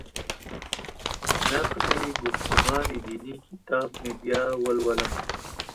نقد ګفتمان دیني کتاب مې بیا ولولم.